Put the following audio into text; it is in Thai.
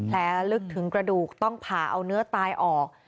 ลึกถึงกระดูกต้องผ่าเอาเนื้อตายออก